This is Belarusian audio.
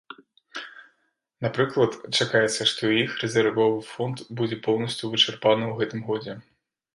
Напрыклад, чакаецца, што іх рэзервовы фонд будзе поўнасцю вычарпаны ў гэтым годзе.